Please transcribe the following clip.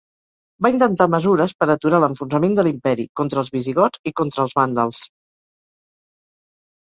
Va intentar mesures per aturar l'enfonsament de l'imperi, contra els visigots i contra els vàndals.